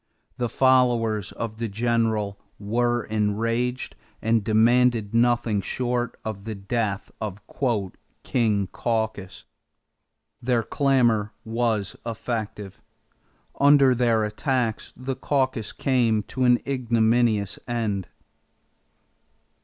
The followers of the General were enraged and demanded nothing short of the death of "King Caucus." Their clamor was effective. Under their attacks, the caucus came to an ignominious end.